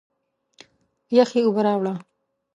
یخي اوبه راړه!